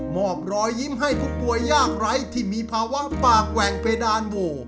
มอบรอยยิ้มให้ทุกตัวยากไร้ที่มีภาวะปากแกวงแพดารโว